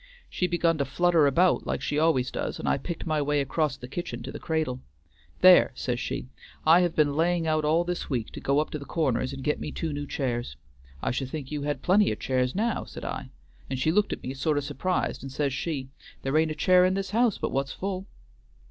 She begun to flutter about like she always does, and I picked my way acrost the kitchen to the cradle. 'There,' says she, 'I have been laying out all this week to go up to the Corners and git me two new chairs.' 'I should think you had plenty of chairs now,' said I, and she looked at me sort of surprised, and says she, 'There ain't a chair in this house but what's full.'"